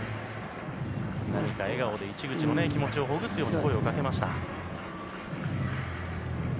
何か笑顔で、市口の気持ちをほぐすような声を掛けました。